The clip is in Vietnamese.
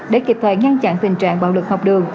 để kịp thời ngăn chặn tình trạng bạo lực học đường